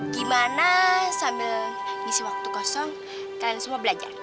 gimana sambil ngisi waktu kosong kalian semua belajar